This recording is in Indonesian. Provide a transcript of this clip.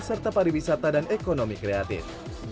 serta pariwisata dan ekonomi kreatif